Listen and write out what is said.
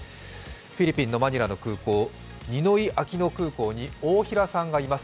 フィリピンのマニラの空港、ニノイ・アキノ国際空港に大平さんがいます。